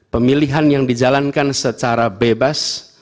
pemilihan yang dijalankan secara bebas